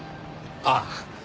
ああ。